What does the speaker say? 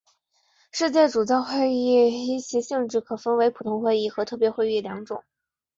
世界主教会议依其性质可分为普通会议和特别会议两种。